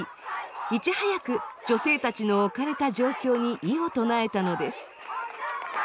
いち早く女性たちの置かれた状況に異を唱えたのです。